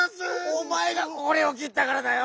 おまえが「これを」きったからだよ！